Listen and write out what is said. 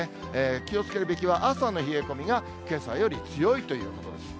気をつけるべきは、朝の冷え込みがけさより強いということです。